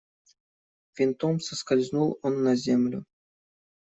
Винтом соскользнул он на землю.